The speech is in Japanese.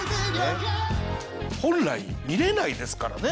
本来見れないですからね。